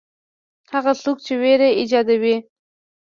هغه څوک چې وېره ایجادوي.